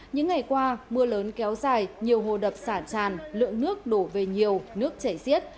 những ngày qua mưa lớn kéo dài nhiều hồ đập sản tràn lượng nước đổ về nhiều nước chảy xiết